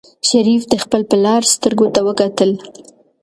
شریف د خپل پلار سترګو ته وکتل.